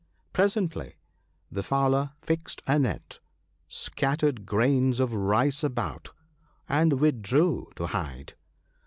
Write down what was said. Presently the fowler fixed a net, scattered grains of rice about, and withdrew to hide.